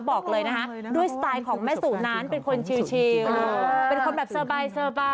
บอกเลยนะคะด้วยสไตล์ของแม่สู่นั้นเป็นคนชิลเป็นคนแบบสบาย